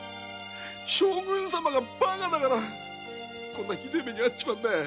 将軍様がバカだからこんなひでぇ目にあっちまうんだい